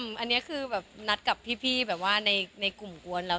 อันนี้คือแบบนัดกับพี่แบบว่าในกลุ่มกวนแล้ว